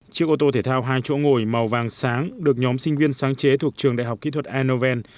chiếc ô tô thể thao hai chỗ ngồi màu vàng sáng được nhóm sinh viên sáng chế thuộc trường đại học kỹ thuật ainoven